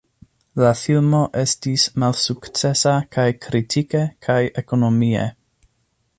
La filmo estis malsukcesa kaj kritike kaj ekonomie.